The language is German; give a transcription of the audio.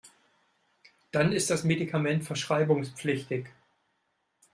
Dann ist das Medikament verschreibungspflichtig.